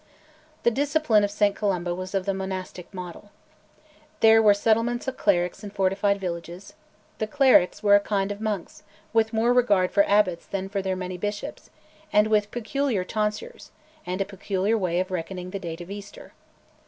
The discipline of St Columba was of the monastic model. There were settlements of clerics in fortified villages; the clerics were a kind of monks, with more regard for abbots than for their many bishops, and with peculiar tonsures, and a peculiar way of reckoning the date of Easter.